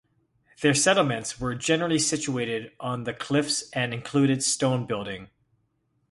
Their settlements were generally situated on the cliffs and included stone building.